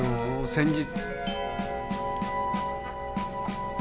先日。